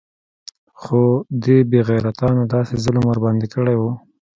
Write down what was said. خو دې بې غيرتانو داسې ظلم ورباندې كړى و.